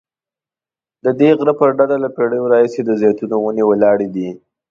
ددې غره پر ډډه له پیړیو راهیسې د زیتونو ونې ولاړې دي.